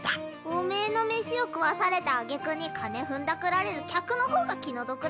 おめぇの飯を食わされたあげくに金ふんだくられる客の方が気の毒だ。